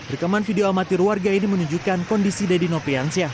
rekaman video amatir warga ini menunjukkan kondisi deddy nopiansyah